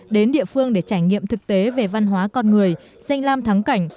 đến địa phương để trải nghiệm thực tế về văn hóa con người danh lam thắng cảnh